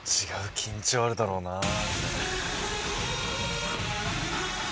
違う緊張あるだろうな。